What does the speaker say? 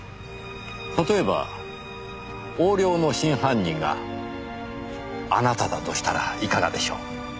例えば横領の真犯人があなただとしたらいかがでしょう？